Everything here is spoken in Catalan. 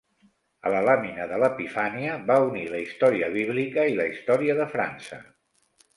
A la làmina de l'Epifania, va unir la història bíblica i la història de França.